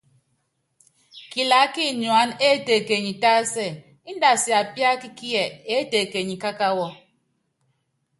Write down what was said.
Kilaá kinyuána étekenyi tásɛ, índɛ asiapíaka kíɛ eétekenyi kákáwɔ.